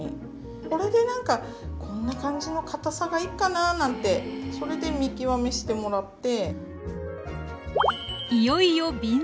これでなんかこんな感じの堅さがいっかななんてそれで見極めしてもらって。